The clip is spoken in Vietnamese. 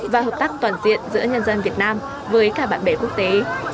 và hợp tác toàn diện giữa nhân dân việt nam với cả bạn bè quốc tế